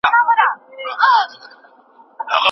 بهرنۍ پالیسي یوازې د امنیت موضوع نه ده.